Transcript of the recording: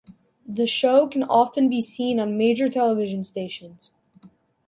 The show can often be seen on major television stations.